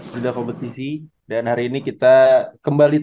jidak opetisi dan hari ini kita kembali tag